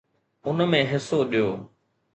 ان ۾ حصو ڏيو.